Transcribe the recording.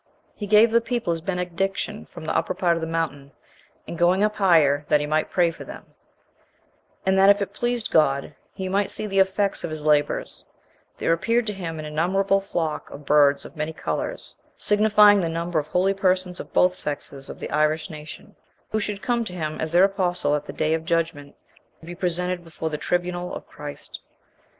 He gave the people his benediction from the upper part of the mountain, and going up higher, that he might pray for them; and that if it pleased God, he might see the effects of his labours, there appeared to him an innumerable flock of birds of many coulours, signifying the number of holy persons of both sexes of the Irish nation, who should come to him as their apostle at the day of judgment, to be presented before the tribunal of Christ.